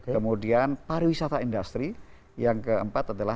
kemudian pariwisata industri yang keempat adalah